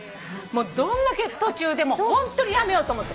どんだけ途中でホントにやめようと思って。